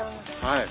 はい。